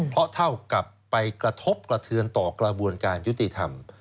เพราะเท่ากับไปกระทบกระเทือนต่อกระบวนการยุติธรรม